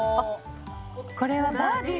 これはバービー？